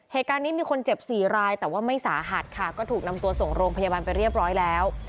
เหตุการณ์นี้มีคนเจ็บสี่รายแต่ว่าไม่สาหัสค่ะก็ถูกนำตัวส่งโรงพยาบาลไปเรียบร้อยแล้ว